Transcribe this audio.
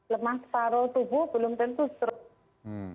lemah paru tubuh belum tentu stroke